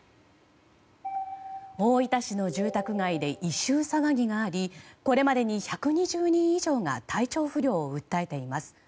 大分市の住宅街で異臭騒ぎがありこれまでに１２０人以上が体調不良を訴えています。